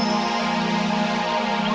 kayaknya peti yong tio